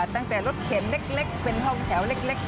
ตั้งแต่รถเข็นเล็กเป็นห้องแถวเล็ก